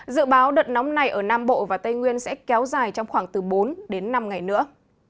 dự báo đợt nóng này ở nam bộ và tây nguyên sẽ kéo dài trong khoảng từ bốn đến năm ngày nữa